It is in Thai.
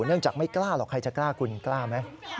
เนื่องจากไม่กล้าหรอกใครจะกล้าคุณกล้าไหม